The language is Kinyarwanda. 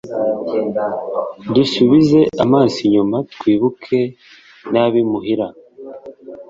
dusubize amaso inyuma twibuke n'ab'imuhira